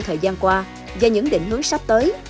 thời gian qua và những định hướng sắp tới